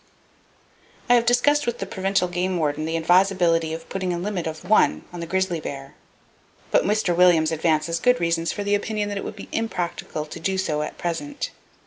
I have discussed with the Provincial Game Warden the advisability of putting a limit of one on the grizzly bear, but Mr. Williams advances good reasons for the opinion that it would be impracticable to do so at present.